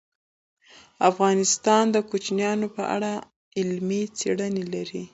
افغانستان د کوچیانو په اړه علمي څېړنې لري.